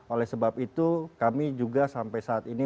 oleh sebab itu kami juga sampai saat ini